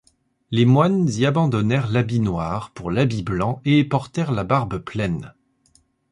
Les moines y abandonnèrent l’habit noir pour l’habit blanc et portèrent la barbe pleine.